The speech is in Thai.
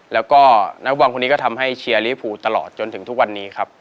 แล้วก็นักบอลคนนี้ก็ทำให้เชียร์ลีภูตลอดจนถึงทุกวันนี้ครับ